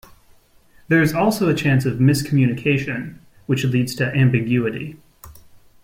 There is also a chance of miscommunication which leads to ambiguity.